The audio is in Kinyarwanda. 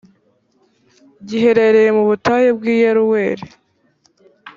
giherera mu butayu bw’i yeruweli